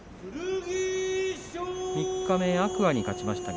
三日目天空海に勝ちました。